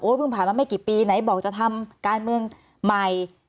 เพิ่งผ่านมาไม่กี่ปีไหนบอกจะทำการเมืองใหม่